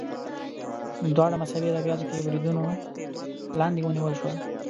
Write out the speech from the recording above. دواړه مذهبي ادبیاتو کې بریدونو لاندې ونیول شول